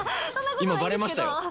今、ばれましたよ。